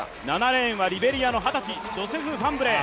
７レーンはリベリアの二十歳ファンブレー。